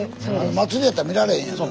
祭りやったら見られへんやんか。